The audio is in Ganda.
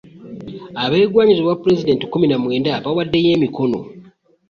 Abeegwanyiza obwa pulezidenti kkumi na mwenda bawaddeyo emikono